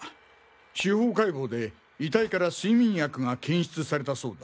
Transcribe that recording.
司法解剖で遺体から睡眠薬が検出されたそうだ。